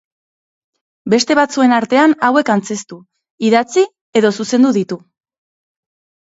Beste batzuen artean hauek antzeztu, idatzi edo zuzendu ditu.